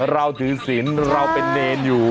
เราถือศิลป์เราเป็นเนรอยู่